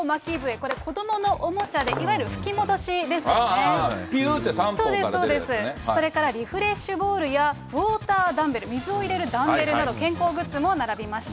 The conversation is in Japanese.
これ、子どものおもちゃで、ぴゅーって、そうです、それからリフレッシュボールや、ウォーターダンベル、水を入れるダンベルなど、健康グッズも並びました。